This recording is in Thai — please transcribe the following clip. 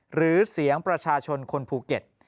หรือเสียงประชาชนคนภูเก็ต